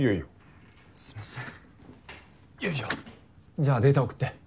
じゃあデータ送って。